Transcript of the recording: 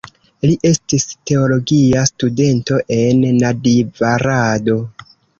Li estis teologia studento en Nadjvarado.